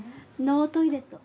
ノートイレット。